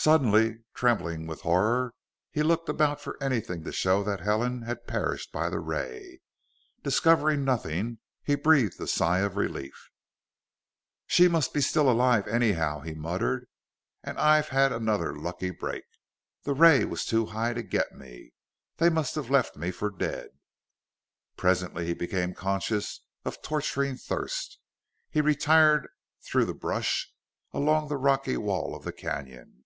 Suddenly trembling with horror, he looked about for anything to show that Helen had perished by the ray. Discovering nothing, he breathed a sigh of relief. "She must be still alive, anyhow," he muttered. "And I've had another lucky break! The ray was too high to get me. They must have left me for dead." Presently he became conscious of torturing thirst. He retired through the brush, along the rocky wall of the canyon.